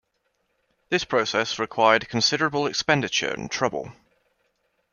This process required considerable expenditure and trouble.